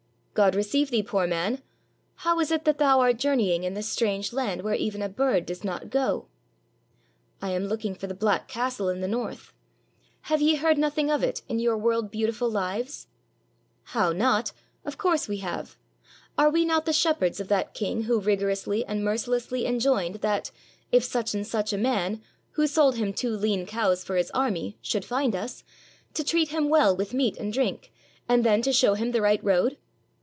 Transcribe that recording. "God receive thee, poor man; how is it that thou art journeying in this strange land where even a bird does not go?" "I am looking for the black castle in the north. Have ye heard nothing of it in your world beautiful lives?" "How not ? Of course we have. Are we not the shep herds of that king who rigorously and mercilessly en joined that, if such and such a man, who sold him two lean cows for his army, should find us, to treat him well with meat and drink, and then to show him the right road?